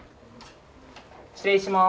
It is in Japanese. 失礼します。